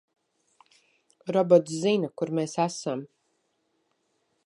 Robots zina, kur mēs esam.